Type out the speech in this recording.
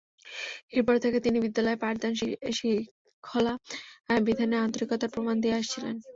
এরপর থেকে তিনি বিদ্যালয়ের পাঠদান, শৃঙ্খলা বিধানে আন্তরিকার প্রমাণ দিয়ে আসছিলেন।